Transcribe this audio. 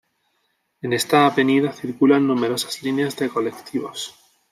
En esta avenida circulan numerosas líneas de colectivos.